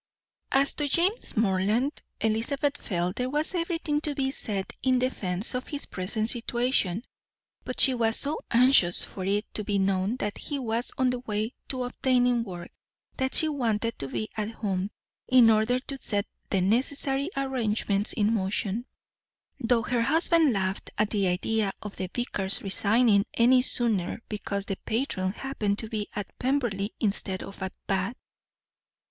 As to James Morland, Elizabeth felt there was everything to be said in defence of his present situation; but she was so anxious for it to be known that he was on the way to obtaining work, that she wanted to be at home, in order to set the necessary arrangements in motion; though her husband laughed at the idea of the vicar's resigning any sooner, because the patron happened to be at Pemberley instead of at Bath.